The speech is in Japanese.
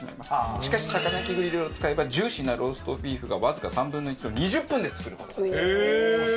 しかし魚焼きグリルを使えばジューシーなローストビーフがわずか３分の１の２０分で作る事ができると。